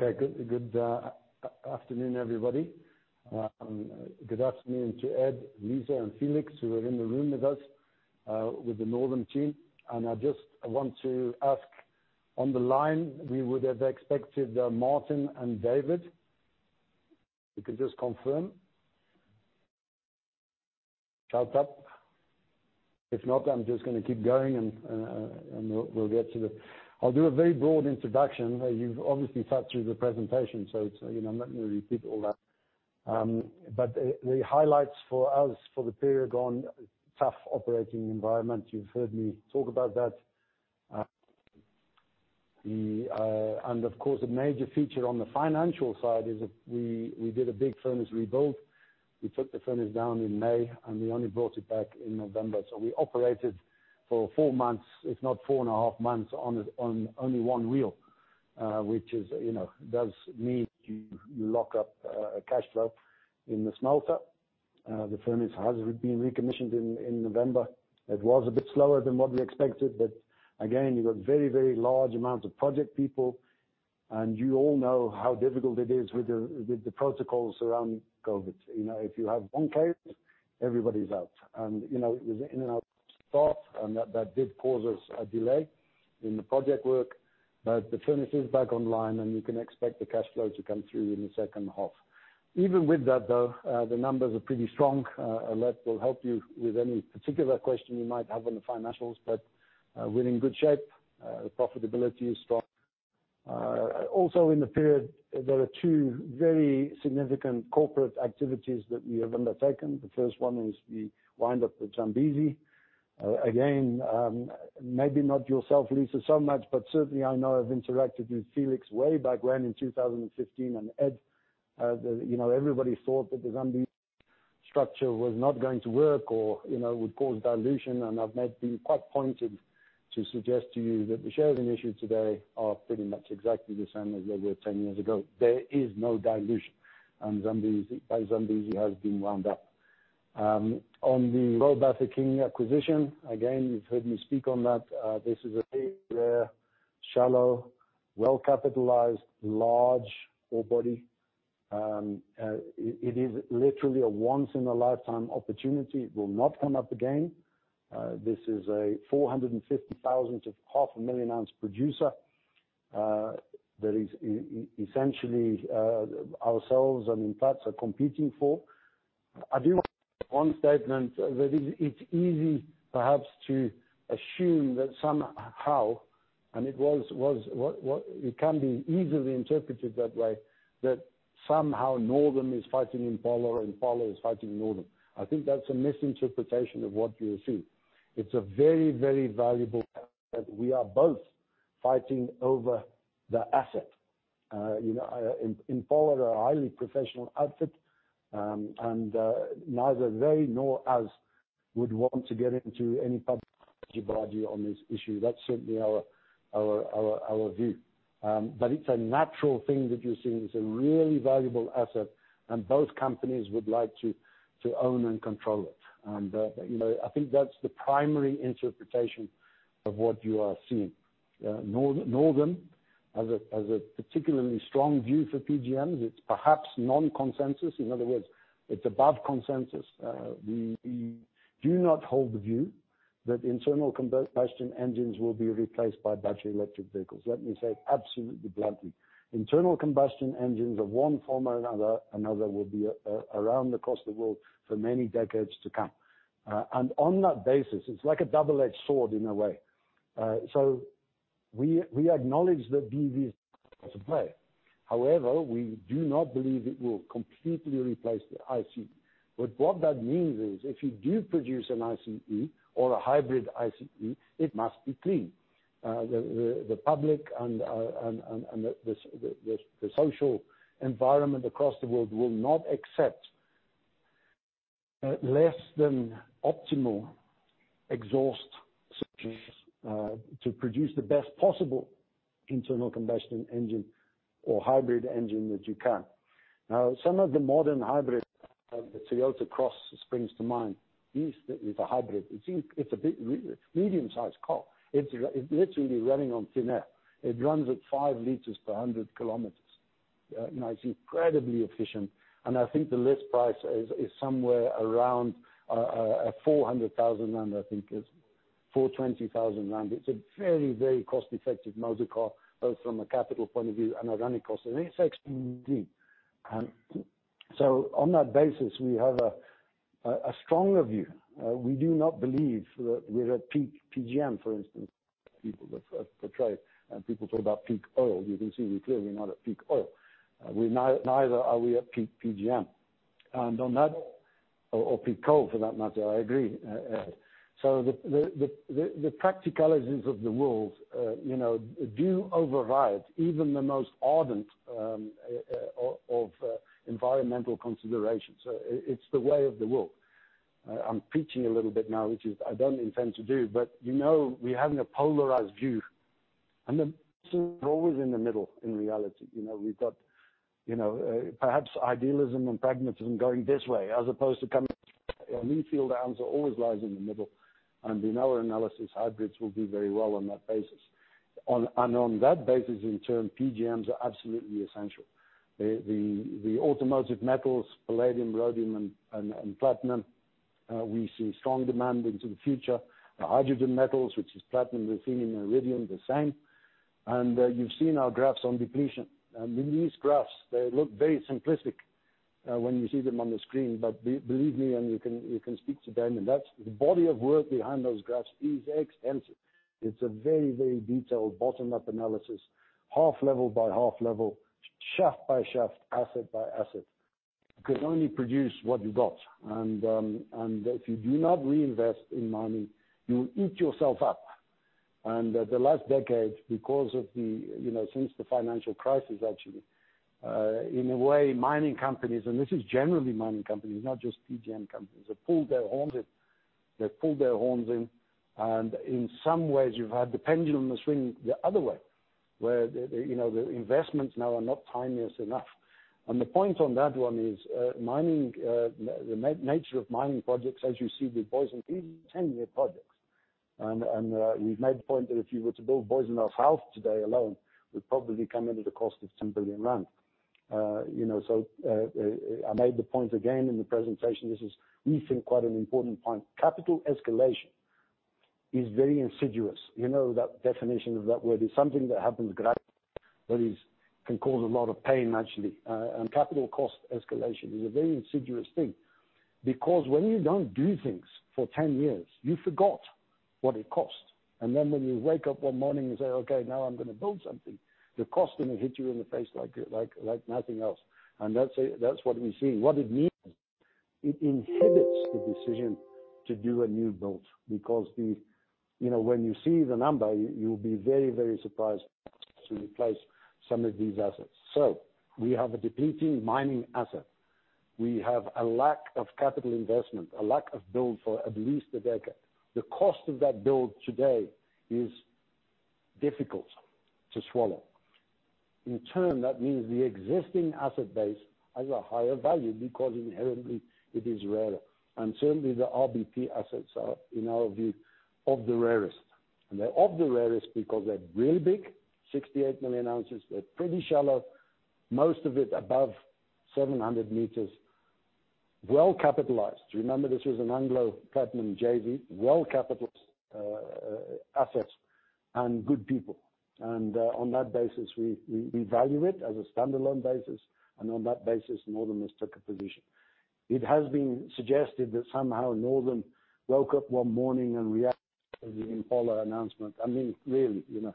Okay. Good afternoon, everybody. Good afternoon to Ed, Lisa, and Felix who are in the room with us, with the Northam team. I just want to ask on the line. We would have expected Martin and David. We could just confirm. Shout out. If not, I'm just gonna keep going. I'll do a very broad introduction. You've obviously sat through the presentation, so it's, you know, I'm not gonna repeat all that. The highlights for us for the period on tough operating environment, you've heard me talk about that. Of course, the major feature on the financial side is that we did a big furnace 1 rebuild. We took the furnace down in May, and we only brought it back in November. We operated for four months, if not 4.5 months on only one wheel, which, you know, does mean you lock up a cash flow in the smelter. The furnace has been recommissioned in November. It was a bit slower than what we expected, but again, you've got very large amounts of project people, and you all know how difficult it is with the protocols around COVID. You know, if you have one case, everybody's out. You know, it was in and out staff, and that did cause us a delay in the project work. The furnace is back online, and you can expect the cash flow to come through in the second half. Even with that, though, the numbers are pretty strong. That will help you with any particular question you might have on the financials. We're in good shape. The profitability is strong. Also in the period, there are two very significant corporate activities that we have undertaken. The first one is the wind up of Zambezi. Again, maybe not yourself, Lisa, so much, but certainly I know I've interacted with Felix way back when in 2015. Ed, you know, everybody thought that the Zambezi structure was not going to work or, you know, would cause dilution. I've made it quite pointed to suggest to you that the shares in issue today are pretty much exactly the same as they were 10 years ago. There is no dilution, and Zambezi has been wound up. On the RBPlat acquisition, again, you've heard me speak on that. This is a very rare, shallow, well-capitalized, large ore body. It is literally a once in a lifetime opportunity. It will not come up again. This is a 450,000-500,000 oz producer that is essentially ourselves and in fact are competing for. I do one statement that is, it's easy perhaps to assume that somehow, it can be easily interpreted that way, that somehow Northam is fighting Impala or Impala is fighting Northam. I think that's a misinterpretation of what you see. It's a very, very valuable asset. We are both fighting over the asset. You know, Impala are a highly professional outfit, and neither they nor us would want to get into any public spat on this issue. That's certainly our view. It's a natural thing that you're seeing. It's a really valuable asset and both companies would like to own and control it. You know, I think that's the primary interpretation of what you are seeing. Northam has a particularly strong view for PGM. It's perhaps non-consensus. In other words, it's above consensus. We do not hold the view that internal combustion engines will be replaced by battery electric vehicles. Let me say it absolutely bluntly. Internal combustion engines of one form or another will be around across the world for many decades to come. On that basis, it's like a double-edged sword in a way. We acknowledge that BEVs as a play. However, we do not believe it will completely replace the ICE. What that means is if you do produce an ICE or a hybrid ICE, it must be clean. The public and the social environment across the world will not accept less than optimal exhaust solutions to produce the best possible internal combustion engine or hybrid engine that you can. Now, some of the modern hybrids, the Toyota Cross springs to mind, is a hybrid. It's a bit medium-sized car. It's literally running on thin air. It runs at 5 L per 100 km. Now it's incredibly efficient, and I think the list price is somewhere around 400,000 rand, I think it's 420,000 rand. It's a very cost-effective motor car, both from a capital point of view and a running cost. It's extremely clean. On that basis, we have a stronger view. We do not believe that we're at peak PGM, for instance, people portray, and people talk about peak oil. You can see we're clearly not at peak oil. Neither are we at peak PGM. On that or peak coal for that matter. I agree, Ed. The practicalities of the world, you know, do override even the most ardent of environmental considerations. It's the way of the world. I'm preaching a little bit now, which I don't intend to do, but you know, we're having a polarized view and the answer always in the middle in reality. You know, perhaps idealism and pragmatism going this way as opposed to coming. A middle answer always lies in the middle. In our analysis, hybrids will do very well on that basis, and on that basis, in turn, PGMs are absolutely essential. The automotive metals, palladium, rhodium, and platinum, we see strong demand into the future. The hydrogen metals, which is platinum, ruthenium, and iridium, the same. You've seen our graphs on depletion. In these graphs, they look very simplistic when you see them on the screen, but believe me, and you can speak to Damian, that's the body of work behind those graphs is extensive. It's a very, very detailed bottom-up analysis, half level by half level, shaft by shaft, asset by asset. You can only produce what you got. If you do not reinvest in mining, you eat yourself up. The last decade, because of the, you know, since the financial crisis actually, in a way, mining companies, and this is generally mining companies, not just PGM companies, have pulled their horns in. They've pulled their horns in, and in some ways, you've had the pendulum swing the other way, where the, you know, the investments now are not timeless enough. The point on that one is, mining, the nature of mining projects, as you see with Booysendal, these are 10-year projects. We've made the point that if you were to build Booysendal today alone, would probably come in at a cost of 10 billion rand. You know, I made the point again in the presentation, this is, we think, quite an important point. Capital escalation is very insidious. You know, that definition of that word is something that happens gradually, that is, can cause a lot of pain actually. Capital cost escalation is a very insidious thing. Because when you don't do things for 10 years, you forgot what it costs. Then when you wake up one morning and say, "Okay, now I'm gonna build something," the cost is gonna hit you in the face like nothing else. That's what we're seeing. What it means, it inhibits the decision to do a new build because the you know, when you see the number, you'll be very, very surprised to replace some of these assets. We have a depleting mining asset. We have a lack of capital investment, a lack of build for at least a decade. The cost of that build today is difficult to swallow. In turn, that means the existing asset base has a higher value because inherently it is rare. Certainly, the RBP assets are, in our view, of the rarest. They're of the rarest because they're really big, 68 million ounces. They're pretty shallow, most of it above 700 m. Well-capitalized. Remember, this was an Anglo Platinum JV, well-capitalized, assets and good people. On that basis, we value it as a standalone basis. On that basis, Northam has took a position. It has been suggested that somehow Northam woke up one morning and reacted to the Impala announcement. I mean, really, you know,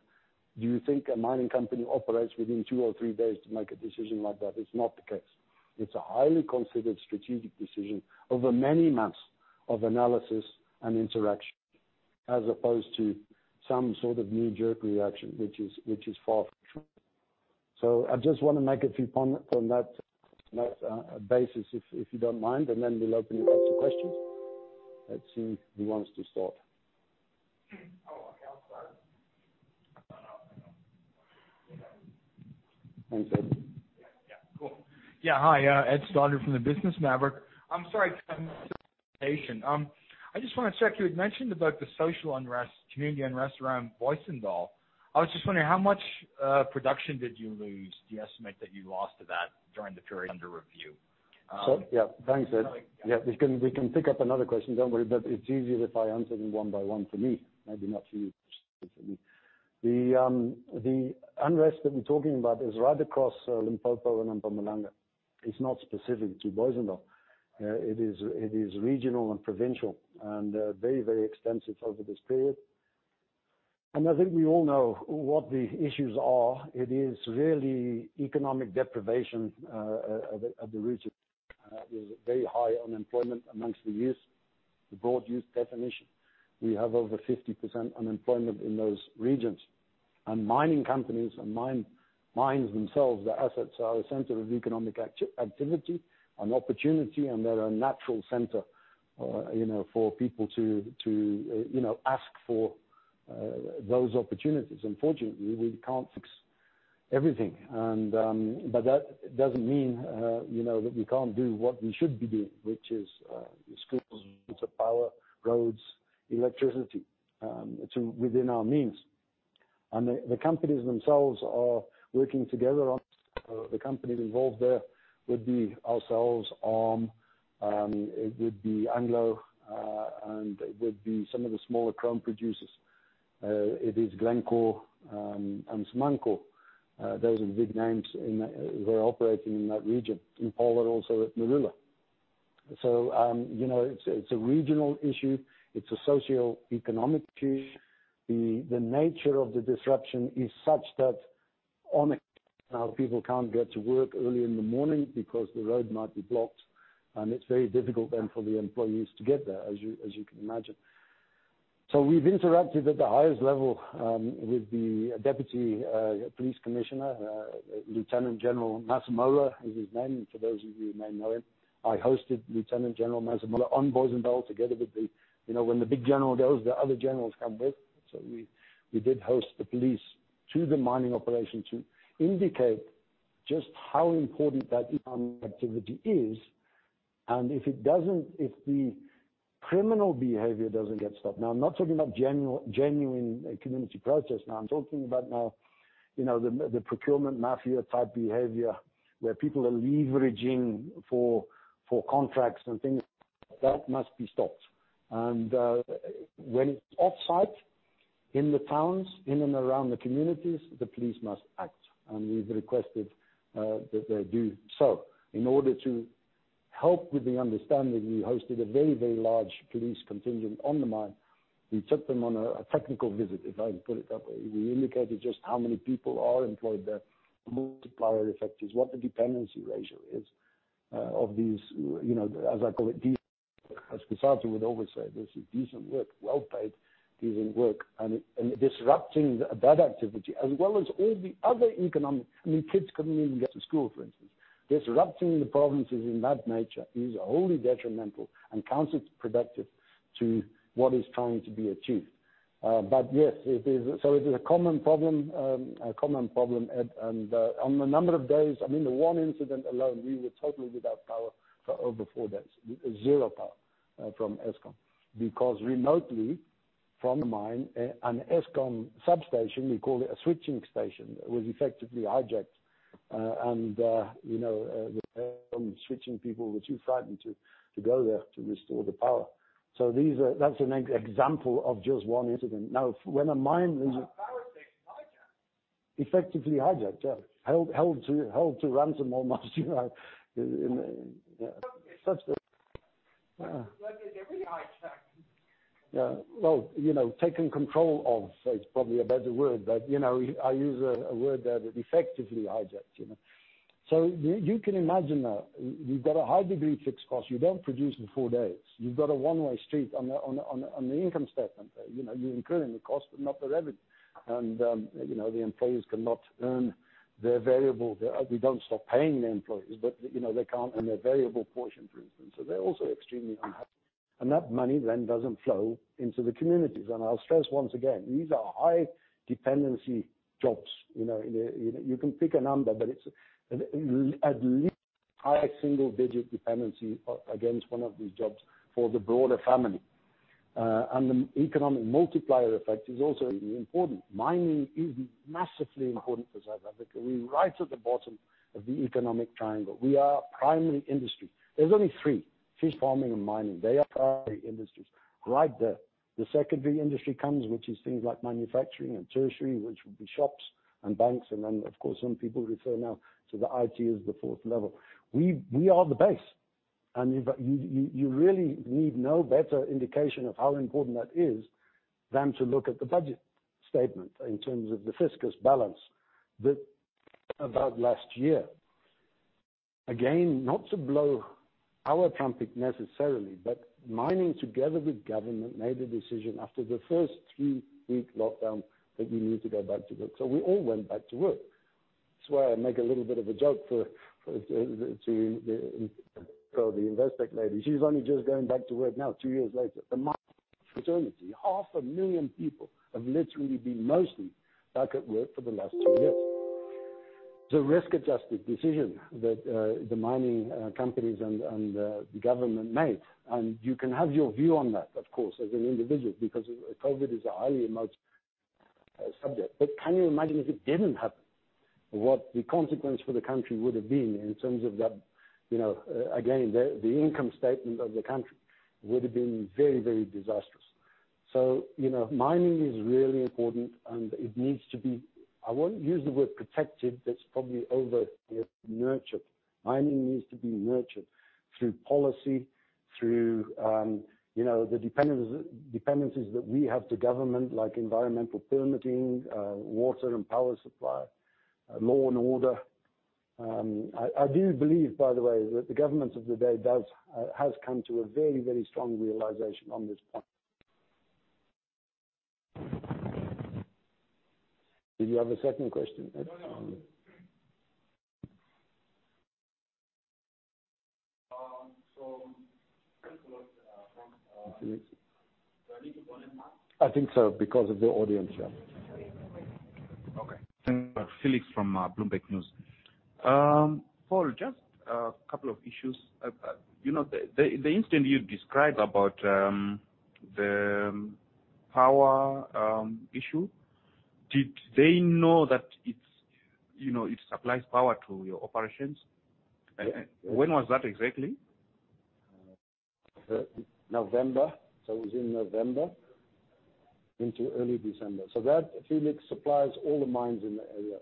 do you think a mining company operates within two or three days to make a decision like that? It's not the case. It's a highly considered strategic decision over many months of analysis and interaction, as opposed to some sort of knee-jerk reaction, which is far from true. I just wanna make a few points on that basis, if you don't mind, and then we'll open it up to questions. Let's see who wants to start. Oh, okay. I'll start. Thanks, Ed. Yeah. Cool. Yeah, hi, Ed Stoddard from Business Maverick. I'm sorry. I just wanna check, you had mentioned about the social unrest, community unrest around Booysendal. I was just wondering, how much production did you lose, do you estimate that you lost to that during the period under review? Yeah. Thanks, Ed. Yeah, we can pick up another question, don't worry, but it's easier if I answer them one by one for me, maybe not for you, but certainly for me. The unrest that we're talking about is right across Limpopo and Mpumalanga. It's not specific to Booysendal. It is regional and provincial and very extensive over this period. I think we all know what the issues are. It is really economic deprivation at the root of it. There's very high unemployment among the youth, the broad youth definition. We have over 50% unemployment in those regions. Mining companies and mines themselves, the assets are a center of economic activity and opportunity, and they're a natural center, you know, for people to ask for those opportunities. Unfortunately, we can't fix everything and, but that doesn't mean, you know, that we can't do what we should be doing, which is schools, water, power, roads, electricity, to within our means. The companies themselves are working together on it. The companies involved there would be ourselves, ARM, it would be Anglo, and it would be some of the smaller chrome producers. It is Glencore and Sibanye. Those are the big names in the who are operating in that region. Impala also at Marula. You know, it's a regional issue. It's a socioeconomic issue. The nature of the disruption is such that now people can't get to work early in the morning because the road might be blocked, and it's very difficult then for the employees to get there, as you can imagine. We've intervened at the highest level with the deputy police commissioner. Lieutenant General Masemola is his name, for those of you who may know him. I hosted Lieutenant General Masemola on Booysendal together with the. You know, when the big general goes, the other generals come with. We did host the police to the mining operation to indicate just how important that economic activity is. If the criminal behavior doesn't get stopped. Now, I'm not talking about genuine community protests. I'm talking about the procurement mafia type behavior, where people are leveraging for contracts and things. That must be stopped. When offsite, in the towns, in and around the communities, the police must act. We've requested that they do so. In order to help with the understanding, we hosted a very, very large police contingent on the mine. We took them on a technical visit, if I can put it that way. We indicated just how many people are employed there, the multiplier effect is, what the dependency ratio is, of these, as I call it, as Kisantu would always say, "This is decent work, well-paid, decent work." Disrupting that activity as well as all the other economic... I mean, kids couldn't even get to school, for instance. Disrupting the provinces in that nature is wholly detrimental and counterproductive to what is trying to be achieved. Yes, it is a common problem. On the number of days, I mean, the one incident alone, we were totally without power for over four days. Zero power from Eskom. Because remotely from the mine, an Eskom substation, we call it a switching station, was effectively hijacked. And you know, the switching people were too frightened to go there to restore the power. That's an example of just one incident. Now, when a mine is- Power station hijacked? Effectively hijacked, yeah. Held to ransom almost, you know, in such Is it really hijacked? Yeah. Well, you know, taken control of, so it's probably a better word. You know, I use a word that it effectively hijacked, you know. You can imagine now, you've got a high degree fixed cost, you don't produce in four days. You've got a one-way street on the income statement. You know, you're incurring the cost but not the revenue. You know, the employees cannot earn their variable. We don't stop paying the employees, but you know, they can't earn their variable portion, for instance. They're also extremely unhappy. That money then doesn't flow into the communities. I'll stress once again, these are high dependency jobs, you know. You know, you can pick a number, but it's at least high single digit dependency against one of these jobs for the broader family. The economic multiplier effect is also really important. Mining is massively important for South Africa. We're right at the bottom of the economic triangle. We are a primary industry. There's only three: fish farming and mining. They are primary industries right there. The secondary industry comes, which is things like manufacturing and tertiary, which would be shops and banks. Then, of course, some people refer now to the IT as the fourth level. We are the base. If you really need no better indication of how important that is than to look at the budget statement in terms of the fiscal balance that about last year. Again, not to blow our trumpet necessarily, but mining together with government made a decision after the first three-week lockdown that we need to go back to work. We all went back to work. That's why I make a little bit of a joke for the Investec lady. She's only just going back to work now, two years later. The mine fraternity, half a million people have literally been mostly back at work for the last two years. It's a risk-adjusted decision that the mining companies and the government made. You can have your view on that, of course, as an individual, because COVID is a highly emotive subject. Can you imagine if it didn't happen, what the consequence for the country would have been in terms of that, you know, again, the income statement of the country would have been very, very disastrous. You know, mining is really important, and it needs to be, I won't use the word protected, that's probably over. Nurtured. Mining needs to be nurtured through policy, through, you know, the dependencies that we have to government like environmental permitting, water and power supply, law and order. I do believe, by the way, that the government of the day has come to a very, very strong realization on this point. Did you have a second question, Ed? No, no. Thanks a lot, Paul. Felix. Do I need to go on mute now? I think so, because of the audience, yeah. Okay. Felix from Bloomberg News. Paul, just a couple of issues. You know, the incident you described about the power issue, did they know that it's, you know, it supplies power to your operations? Yeah. When was that exactly? November. It was in November into early December. That, Felix, supplies all the mines in the area.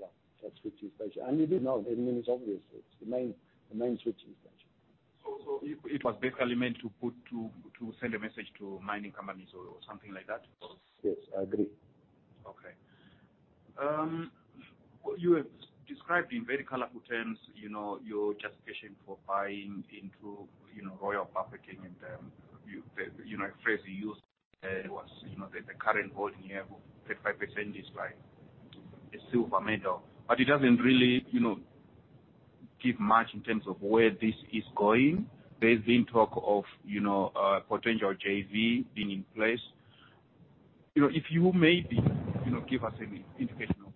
Yeah, that switching station. They did know. I mean, it's obvious. It's the main switching station. It was basically meant to send a message to mining companies or something like that? Yes, I agree. Okay. You have described in very colorful terms, you know, your justification for buying into, you know, Royal Bafokeng and, a phrase you used was, you know, the current holding you have 35% is like a silver medal. But it doesn't really, you know, give much in terms of where this is going. There's been talk of, you know, a potential JV being in place. You know, if you maybe, you know, give us any indication of,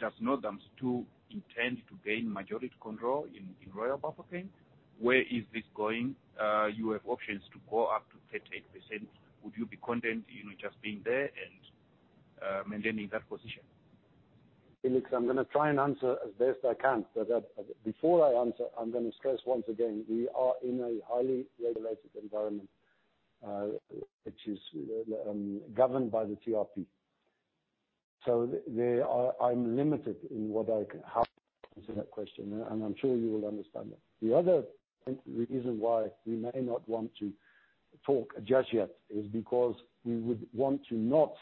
does Northam still intend to gain majority control in Royal Bafokeng? Where is this going? You have options to go up to 38%. Would you be content, you know, just being there and maintaining that position? Felix, I'm gonna try and answer as best I can, before I answer, I'm gonna stress once again, we are in a highly regulated environment, which is governed by the TRP. I'm limited in what I can how I can answer that question. I'm sure you will understand that. The other reason why we may not want to talk just yet is because we would want to not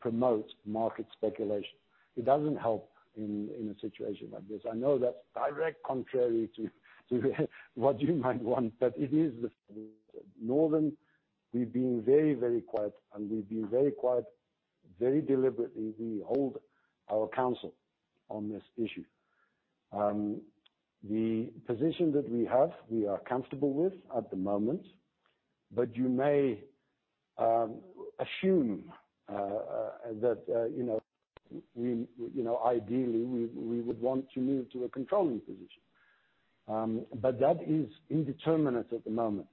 promote market speculation. It doesn't help in a situation like this. I know that's directly contrary to what you might want, but it is the Northam. We've been very quiet, and we've been very quiet, very deliberately. We hold our counsel on this issue. The position that we have, we are comfortable with at the moment. You may assume that you know we you know ideally we would want to move to a controlling position. That is indeterminate at the moment.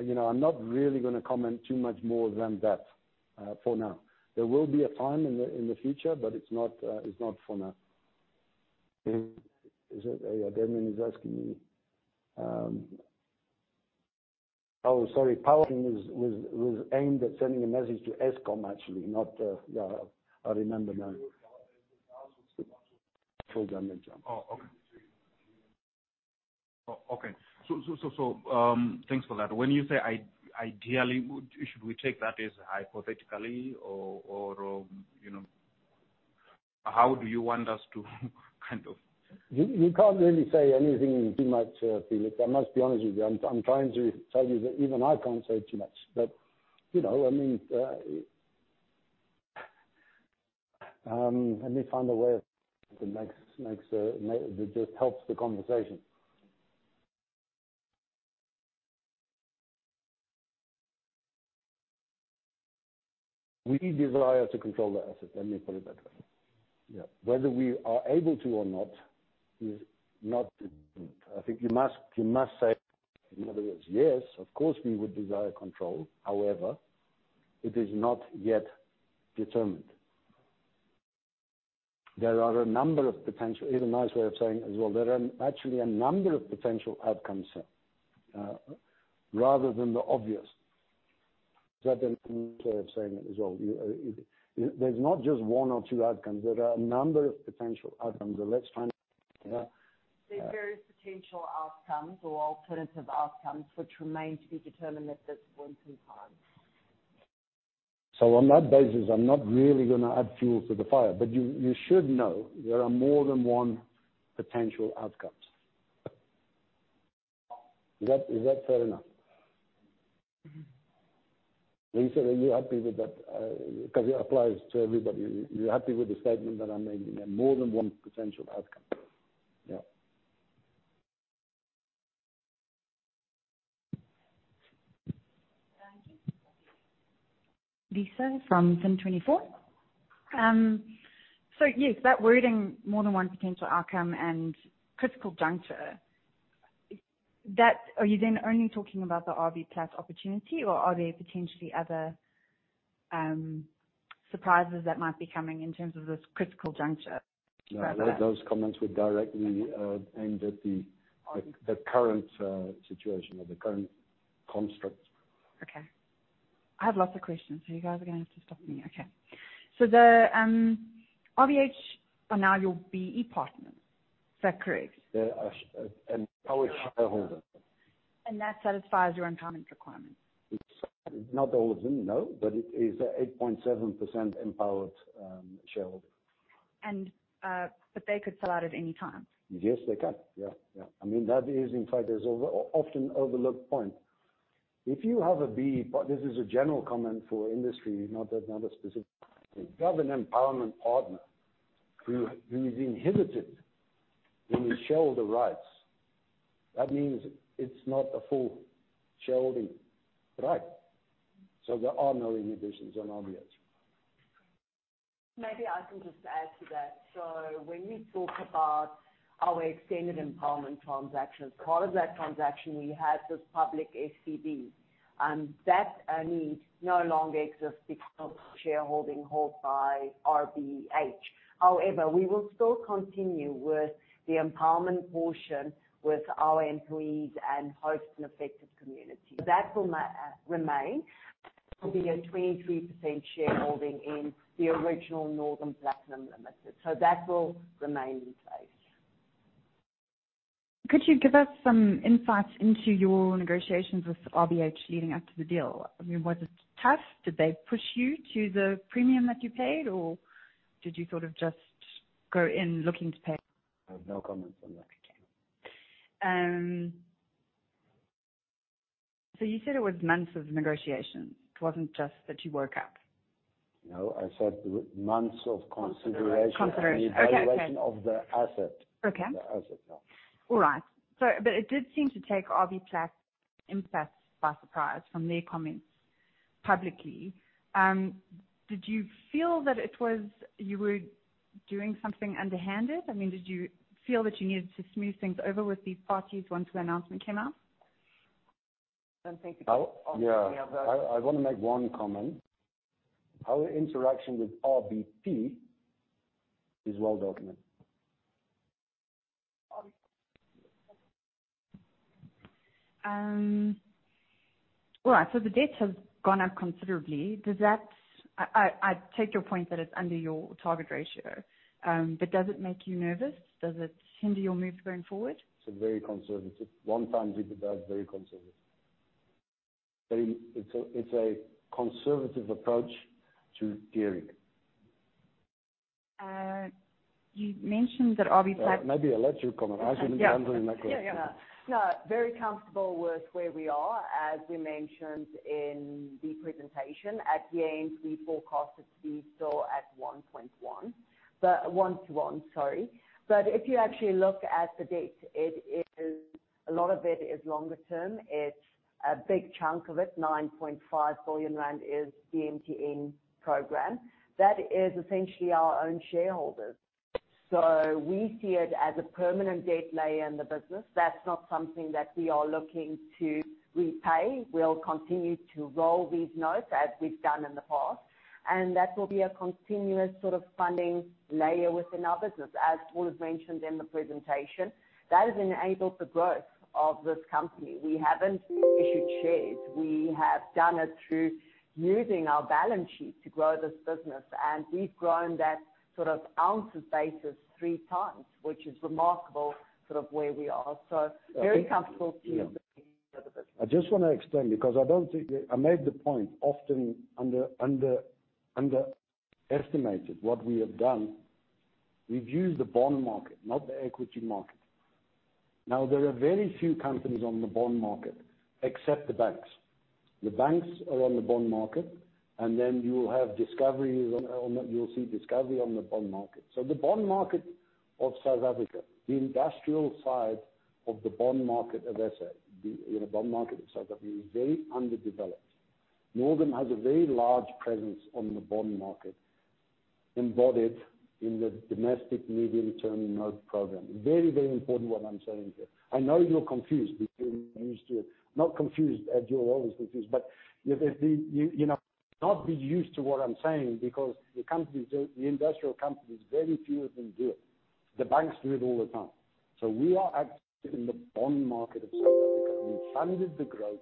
You know, I'm not really gonna comment too much more than that for now. There will be a time in the future, but it's not for now. Is it? Damian is asking me. Oh, sorry. Power was aimed at sending a message to Eskom actually not yeah, I remember now. Oh, okay. Thanks for that. When you say ideally, should we take that as hypothetically or you know, how do you want us to kind of? You can't really say anything pretty much, Felix. I must be honest with you. I'm trying to tell you that even I can't say too much. You know, I mean, let me find a way that just helps the conversation. We desire to control the asset. Let me put it that way. Yeah. Whether we are able to or not is not definite. I think you must say, in other words, yes, of course, we would desire control. However, it is not yet determined. There are a number of potential outcomes. Is a nice way of saying as well, there are actually a number of potential outcomes, rather than the obvious. Is that a nice way of saying it as well? There's not just one or two outcomes. There are a number of potential outcomes. Let's find out. Yeah. There are various potential outcomes or alternative outcomes which remain to be determined at this point in time. On that basis, I'm not really gonna add fuel to the fire. You should know there are more than one potential outcomes. Is that fair enough? Lisa, are you happy with that? 'Cause it applies to everybody. You happy with the statement that I'm making? There are more than one potential outcomes. Yeah. Thank you. Lisa from Fin24. Yes, that wording more than one potential outcome and critical juncture. Are you then only talking about the RBPlat opportunity or are there potentially other surprises that might be coming in terms of this critical juncture? Those comments were directly aimed at the current situation or the current construct. Okay. I have lots of questions, so you guys are gonna have to stop me. Okay. The RBH are now your BEE partner. Is that correct? They are an empowered shareholder. That satisfies your empowerment requirements. Not all of them, no. It is an 8.7% empowered shareholder. They could sell out at any time. Yes, they can. Yeah, yeah. I mean, that is in fact an often overlooked point. If you have a BEE, but this is a general comment for industry, not that, not a specific. You have an empowerment partner who is inhibited in his shareholder rights. That means it's not a full shareholding right. There are no inhibitions, obviously. Maybe I can just add to that. When we talk about our extended empowerment transactions, part of that transaction, we have this public FCD, and that need no longer exists because of shareholding held by RBH. However, we will still continue with the empowerment portion with our employees and host communities. That will remain. It will be a 23% shareholding in the original Northam Platinum Limited. That will remain in place. Could you give us some insight into your negotiations with RBH leading up to the deal? I mean, was it tough? Did they push you to the premium that you paid, or did you sort of just go in looking to pay? I have no comments on that, okay. You said it was months of negotiations. It wasn't just that you woke up. No, I said months of consideration. Consideration. Okay. Evaluation of the asset. Okay. The asset. Yeah. All right. It did seem to take RBPlat by surprise from their comments publicly. Did you feel that you were doing something underhanded? I mean, did you feel that you needed to smooth things over with these parties once the announcement came out? Yeah. I wanna make one comment. Our interaction with RBP is well documented. All right, the debts have gone up considerably. Does that I take your point that it's under your target ratio, but does it make you nervous? Does it hinder your moves going forward? It's very conservative. One time, we did that very conservative. It's a conservative approach to gearing. You mentioned that obviously. Maybe I'll let you comment. I shouldn't be handling that question. Yeah, yeah. No, very comfortable with where we are. As we mentioned in the presentation. At year-end, we forecasted to be still at 1.1, but one-to-one, sorry. But if you actually look at the debt, it is a lot of it is longer term. It's a big chunk of it, 9.5 billion rand is DMTN program. That is essentially our own shareholders. So we see it as a permanent debt layer in the business. That's not something that we are looking to repay. We'll continue to roll these notes as we've done in the past, and that will be a continuous sort of funding layer within our business. As Paul has mentioned in the presentation, that has enabled the growth of this company. We haven't issued shares. We have done it through using our balance sheet to grow this business. We've grown that sort of ounce basis three times, which is remarkable sort of where we are. Very comfortable to you with the business. I just wanna extend because I don't think I made the point often. Underestimated what we have done. We've used the bond market, not the equity market. Now, there are very few companies on the bond market except the banks. The banks are on the bond market and then you'll have Discovery on the bond market. The bond market of South Africa, the industrial side of the bond market of SA, you know, bond market of South Africa is very underdeveloped. Northam has a very large presence on the bond market embodied in the Domestic Medium-Term Note program. Very, very important what I'm saying here. I know you're confused because you're used to it. Not confused, as you're always confused, but if you know not used to what I'm saying because the companies, the industrial companies, very few of them do it. The banks do it all the time. We are active in the bond market of South Africa. We funded the growth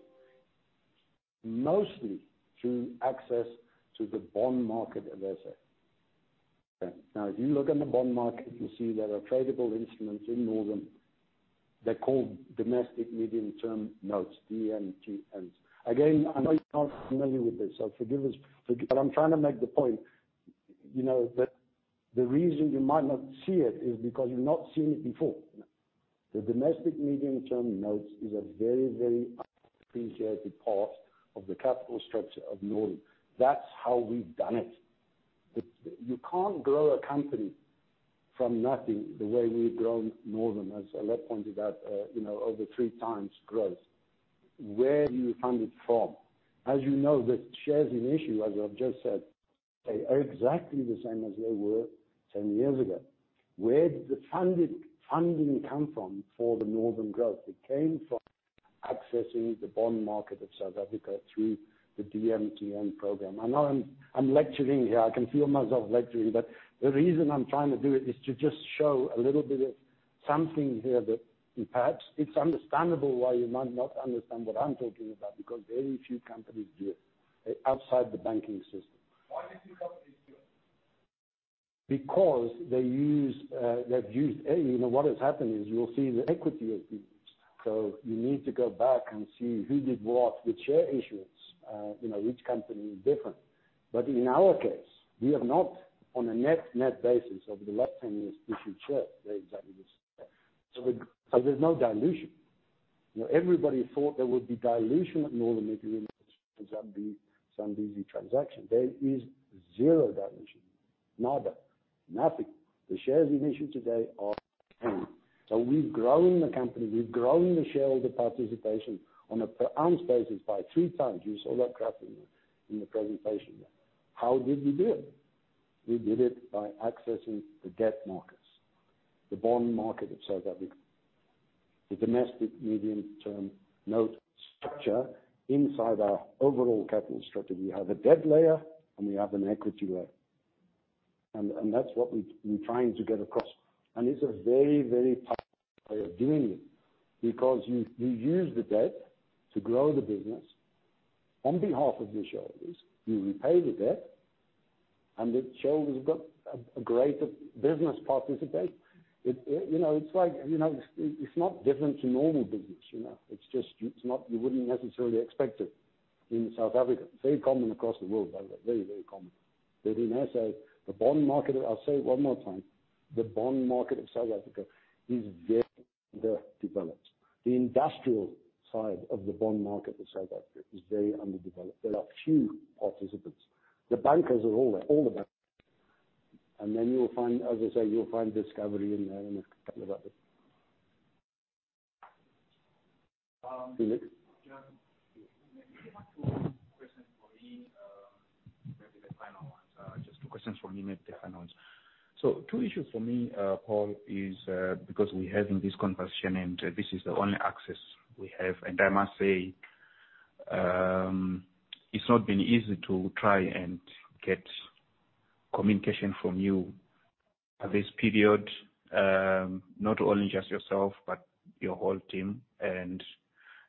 mostly through access to the bond market of SA. Now, if you look on the bond market, you see there are tradable instruments in Northam. They're called Domestic Medium-Term Notes, DMTNs. Again, I know you're not familiar with this, so forgive us. I'm trying to make the point, you know, that the reason you might not see it is because you've not seen it before. The Domestic Medium-Term Notes is a very, very appreciated part of the capital structure of Northam. That's how we've done it. You can't grow a company from nothing the way we've grown Northam, as Alet pointed out, you know, over three times growth. Where do you fund it from? As you know, the shares in issue, as I've just said, they are exactly the same as they were 10 years ago. Where did the funding come from for the Northam growth? It came from accessing the bond market of South Africa through the DMTN program. I know I'm lecturing here. I can feel myself lecturing, but the reason I'm trying to do it is to just show a little bit of something here that perhaps it's understandable why you might not understand what I'm talking about, because very few companies do it outside the banking system. Why do few companies do it? Because they use, they've used, you know, what has happened is you'll see the equity has been used. So you need to go back and see who did what with share issuance. You know, each company is different. But in our case, we have not on a net-net basis over the last 10 years, issued shares. They're exactly the same. So there's no dilution. You know, everybody thought there would be dilution at Northam if you remember Sibanye transaction. There is zero dilution. Nada. Nothing. The shares in issue today are the same. So we've grown the company, we've grown the share of the participation on a per ounce basis by three times. You saw that graph in the presentation there. How did we do it? We did it by accessing the debt markets, the bond market of South Africa, the Domestic Medium-Term Note structure inside our overall capital structure. We have a debt layer, and we have an equity layer. That's what we're trying to get across. It's a very powerful way of doing it because you use the debt to grow the business on behalf of your shareholders. You repay the debt and the shareholders have got a greater business participation. You know, it's like, you know, it's not different to normal business. You know, it's just not, you wouldn't necessarily expect it in South Africa. It's very common across the world, by the way. Very common. In SA, the bond market, I'll say it one more time, the bond market of South Africa is very well developed. The industrial side of the bond market in South Africa is very underdeveloped. There are few participants. The bankers are all there, all the bankers. You'll find, as I say, you'll find Discovery in there and a couple of others. Felix. Two questions for me, maybe the final ones. Two issues for me, Paul, because we're having this conversation, and this is the only access we have. I must say, it's not been easy to try and get communication from you at this period. Not only just yourself, but your whole team, and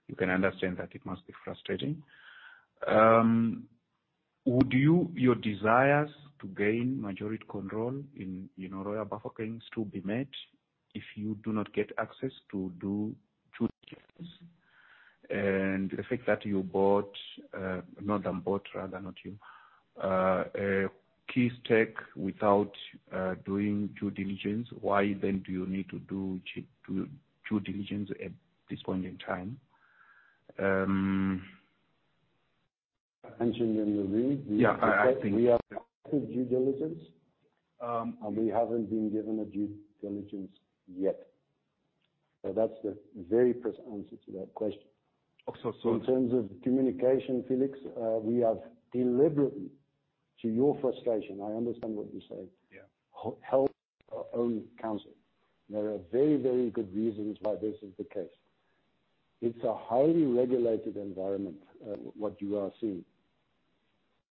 you can understand that it must be frustrating. Your desires to gain majority control in, you know, Royal Bafokeng still be met if you do not get access to do due diligence. The fact that Northam bought, rather not you, a key stake without doing due diligence, why then do you need to do due diligence at this point in time? Actually, in the read. Yeah. I think. We have due diligence. Um- We haven't been given a due diligence yet. That's the very first answer to that question. So, so- In terms of communication, Felix, we have deliberately, to your frustration, I understand what you're saying. Yeah. Hold our own counsel. There are very, very good reasons why this is the case. It's a highly regulated environment, what you are seeing.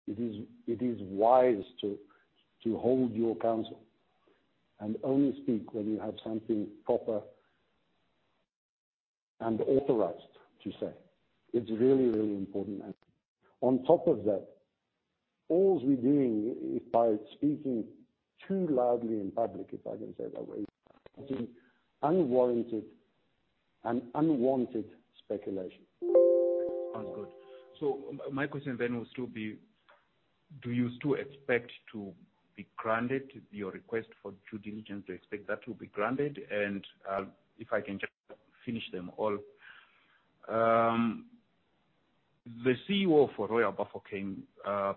It is wise to hold your counsel and only speak when you have something proper and authorized to say. It's really, really important. On top of that, all we're doing is by speaking too loudly in public, if I can say it that way, is unwarranted and unwanted speculation. Sounds good. My question then would still be, do you still expect to be granted your request for due diligence? Do you expect that to be granted? If I can just finish them all. The CEO for Royal Bafokeng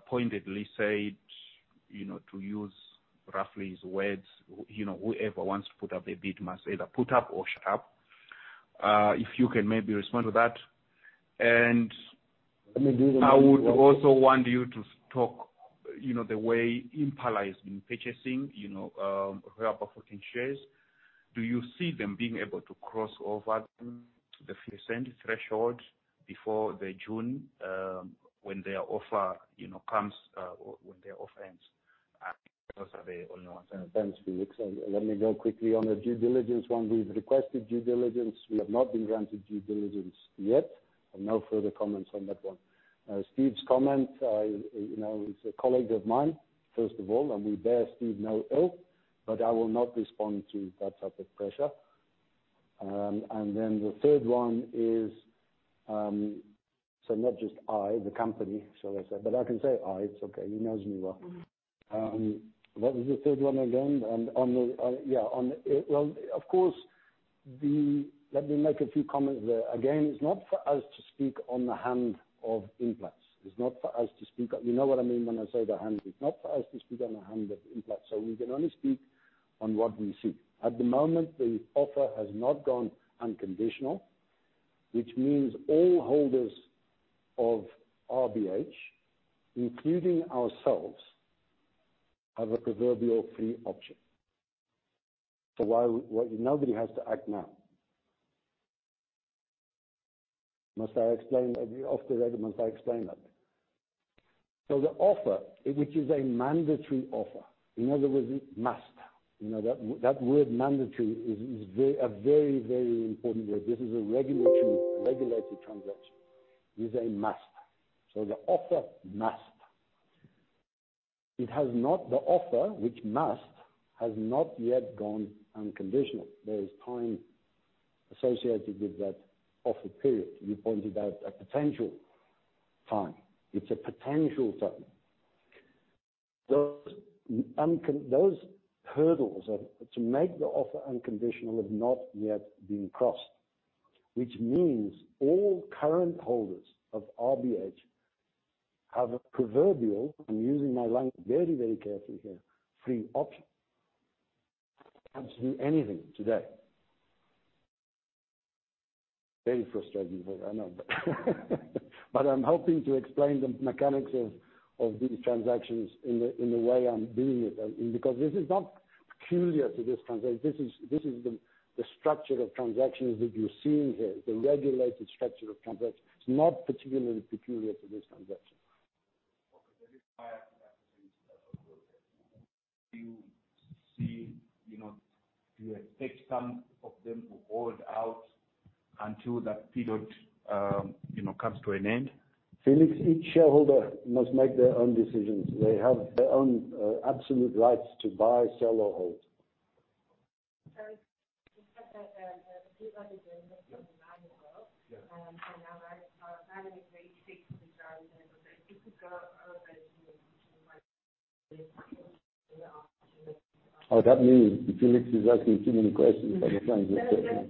pointedly said, you know, to use roughly his words, "You know, whoever wants to put up a bid must either put up or shut up." If you can maybe respond to that. Let me do the- I would also want you to talk, you know, the way Impala has been purchasing, you know, Royal Bafokeng shares. Do you see them being able to cross over to the 50% threshold before the June, when their offer, you know, comes, or when their offer ends? Those are the only ones. Thanks, Felix. Let me go quickly on the due diligence one. We've requested due diligence. We have not been granted due diligence yet. I've no further comments on that one. Steve's comment, you know, he's a colleague of mine, first of all, and we bear Steve no ill, but I will not respond to that type of pressure. Then the third one is, so not just I, the company, shall I say, but I can say I. It's okay. He knows me well. What was the third one again? Let me make a few comments there. Again, it's not for us to speak on behalf of Implats. It's not for us to speak, you know what I mean when I say the end of Implats, it's not for us to speak on the end of Implats, so we can only speak on what we see. At the moment, the offer has not gone unconditional, which means all holders of RBH, including ourselves, have a proverbial free option. Why nobody has to act now. Must I explain off the record that? The offer, which is a mandatory offer, in other words, must. You know, that word mandatory is very, very important word. This is a regulated transaction. This is a must. The offer must. The offer, which must, has not yet gone unconditional. There is time associated with that offer period. You pointed out a potential time. It's a potential time. Those hurdles to make the offer unconditional have not yet been crossed, which means all current holders of RBH have a proverbial, I'm using my language very, very carefully here, free option. Absolutely anything today. Very frustrating for you, I know. I'm hoping to explain the mechanics of these transactions in the way I'm doing it. Because this is not peculiar to this transaction. This is the structure of transactions that you see in the regulated structure of transactions. It's not particularly peculiar to this transaction. Okay. That requires, do you see, you know, do you expect some of them to hold out until that period, you know, comes to an end? Felix, each shareholder must make their own decisions. They have their own absolute rights to buy, sell, or hold. Oh, good afternoon. Felix is asking too many questions on the phone.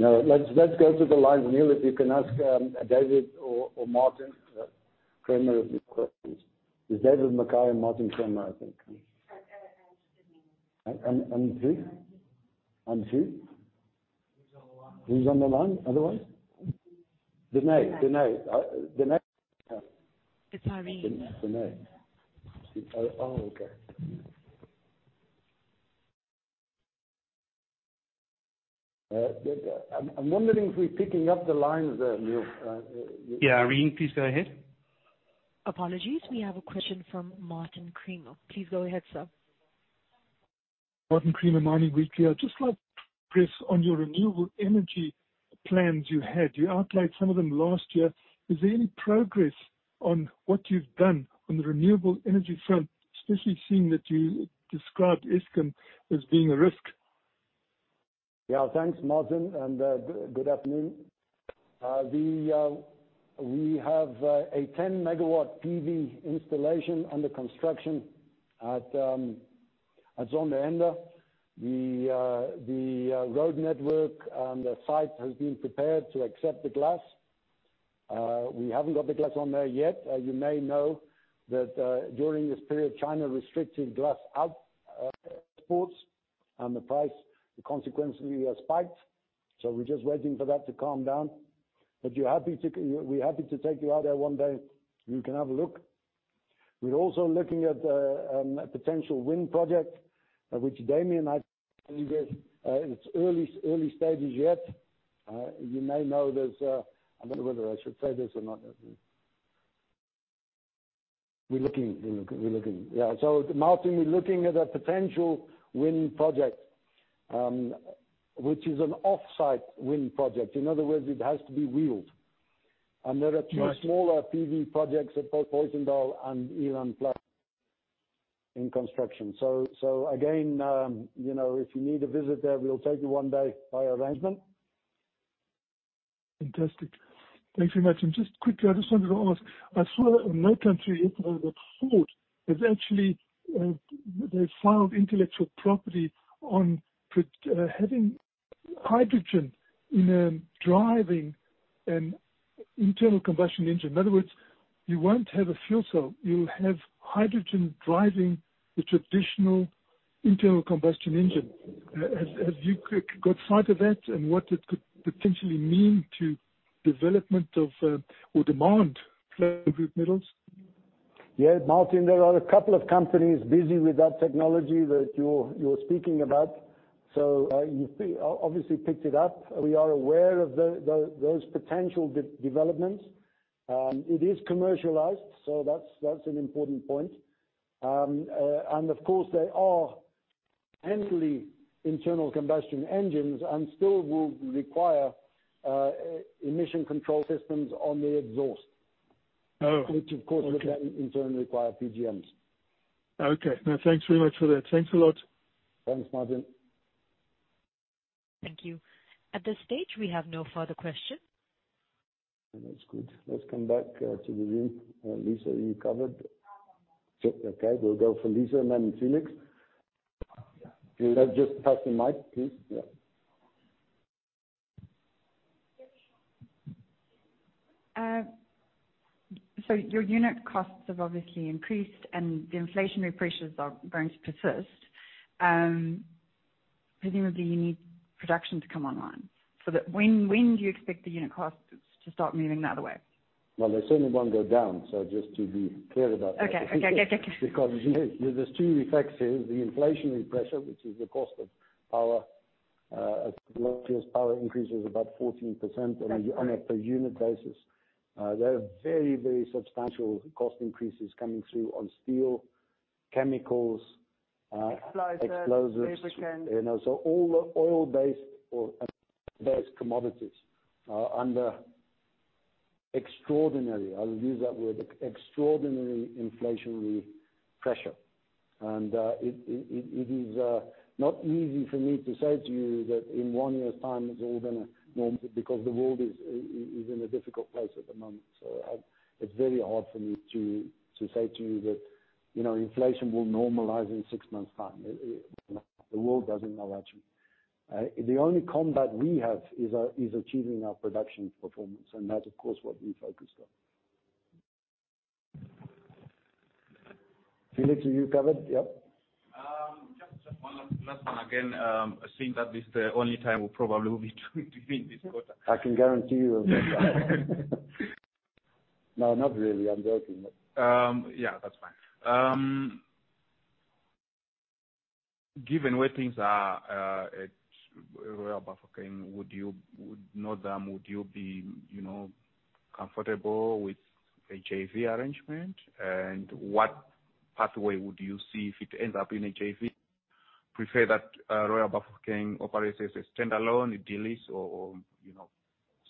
No, let's go to the line, Neil, if you can ask David or Martin Creamer a few questions. It's David McKay and Martin Creamer, I think. Who? Who? Who's on the line? Who's on the line? Other one. Danae. It's Irene. Danae. Oh, okay. I'm wondering if we're picking up the lines there, Neil. Yeah, Irene, please go ahead. Apologies. We have a question from Martin Creamer. Please go ahead, sir. Martin Creamer, Mining Weekly. I'd just like to press on your renewable energy plans you had. You outlined some of them last year. Is there any progress on what you've done on the renewable energy front, especially seeing that you described Eskom as being a risk? Yeah, thanks, Martin. Good afternoon. We have a 10 MW PV installation under construction at Zondereinde. The road network, the site has been prepared to accept the glass. We haven't got the glass on there yet. You may know that during this period, China restricted glass exports and the price consequently has spiked. So we're just waiting for that to calm down. But we're happy to take you out there one day, you can have a look. We're also looking at a potential wind project, which Damian and I tell you this, it's early stages yet. You may know there's. I don't know whether I should say this or not. We're looking. Yeah, Martin, we're looking at a potential wind project, which is an offsite wind project. In other words, it has to be wheeled. There are two- Right. Smaller PV projects at both Booysendal and Eland in construction. So again, you know, if you need to visit there, we'll take you one day by arrangement. Fantastic. Thanks very much. Just quickly, I just wanted to ask, I saw that in Norway, you know, that Ford has actually, they've filed intellectual property on having hydrogen, you know, driving an internal combustion engine. In other words, you won't have a fuel cell. You'll have hydrogen driving the traditional internal combustion engine. Have you got sight of that and what it could potentially mean to development of or demand for platinum group metals? Yeah, Martin, there are a couple of companies busy with that technology that you're speaking about. You've obviously picked it up. We are aware of those potential developments. It is commercialized, so that's an important point. Of course, they are internal combustion engines and still will require emission control systems on the exhaust. Oh, okay. Which, of course, will then in turn require PGMs. Okay. No, thanks very much for that. Thanks a lot. Thanks, Martin. Thank you. At this stage, we have no further questions. That's good. Let's come back to the room. Lisa, are you covered? I'm good. Okay. We'll go for Lisa and then Felix. Can I just pass the mic, please? Yeah. Your unit costs have obviously increased and the inflationary pressures are going to persist. Presumably you need production to see some online. When do you expect the unit costs to start moving the other way? Well, they certainly won't go down, so just to be clear about that. Okay. Because there's two effects here, the inflationary pressure, which is the cost of power. As much as power increases about 14%- That's right. on a per unit basis. There are very, very substantial cost increases coming through on steel, chemicals. Explosives. Explosives. Lubricants. You know, all the oil-based or gas-based commodities are under extraordinary, I'll use that word, extraordinary inflationary pressure. It is not easy for me to say to you that in one year's time it's all gonna normalize because the world is in a difficult place at the moment. It's very hard for me to say to you that, you know, inflation will normalize in six months' time. The world doesn't know actually. The only counter we have is achieving our production performance. That's, of course, what we've focused on. Felix, are you covered? Yep. Just one last one again. Seeing that this is the only time we'll probably be doing this quarter. I can guarantee you of that. No, not really. I'm joking. Yeah, that's fine. Given where things are at Royal Bafokeng, would Northam be comfortable with a JV arrangement? What pathway would you see if it ends up in a JV? Would you prefer that Royal Bafokeng operates as a standalone? It delays or, you know,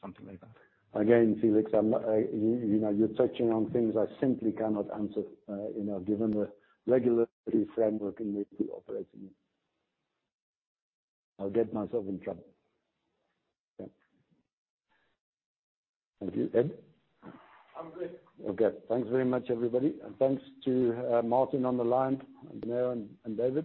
something like that. Again, Felix, I'm not, you know, you're touching on things I simply cannot answer, you know, given the regulatory framework in which we operate in. I'll get myself in trouble. Yeah. Thank you. Ed? I'm good. Okay. Thanks very much, everybody. Thanks to Martin on the line, and Danae and David.